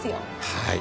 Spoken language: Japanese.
はい。